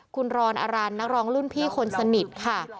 คุณรอนอรันนักร้องรุ่นพี่คนสนิทค่ะ